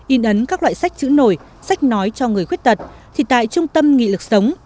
in ấn các loại sách chữ nổi sách nói cho người khuyết tật thì tại trung tâm nghị lực sống